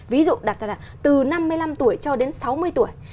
ví dụ đặt ra là từ năm mươi năm tuổi cho đến sáu mươi tuổi